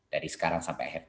dari sekarang sampai akhir